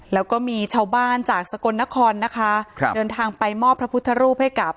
แล้วก็มีชาวบ้านจากสกลนครนะคะครับเดินทางไปมอบพระพุทธรูปให้กับ